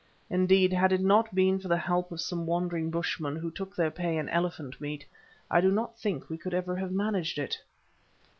Indeed, had it not been for the help of some wandering bushmen, who took their pay in elephant meat, I do not think we could ever have managed it.